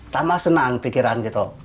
semakin senang pikiran